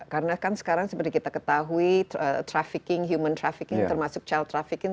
karena kan sekarang seperti kita ketahui trafficking human trafficking termasuk child trafficking